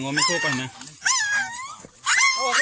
สวัสดีครับ